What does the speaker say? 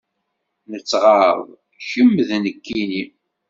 Nettɣaḍ kemm d nekkini.